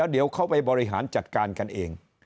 เดี๋ยวเขาไปบริหารจัดการกันเอง